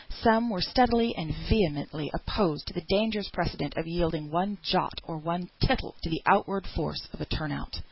Some were steadily and vehemently opposed to the dangerous precedent of yielding one jot or one tittle to the outward force of a turn out.